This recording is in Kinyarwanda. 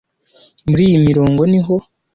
muri iyi mirongo niho